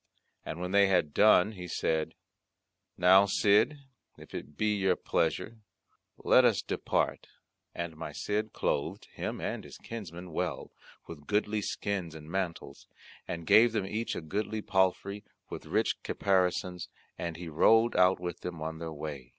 And when they had done he said, "Now, Cid, if it be your pleasure let us depart." And my Cid clothed him and his kinsmen well with goodly skins and mantles, and gave them each a goodly palfrey, with rich caparisons, and he rode out with them on their way.